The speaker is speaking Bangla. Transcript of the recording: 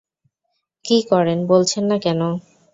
কি করেন বলছেন না কেন?